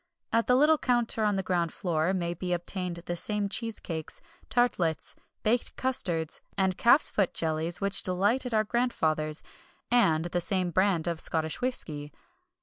At the little counter on the ground floor may be obtained the same cheesecakes, tartlets, baked custards, and calf's foot jellies which delighted our grandfathers, and the same brand of Scottish whisky.